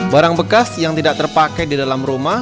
barang bekas yang tidak terpakai di dalam rumah